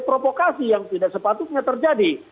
provokasi yang tidak sepatutnya terjadi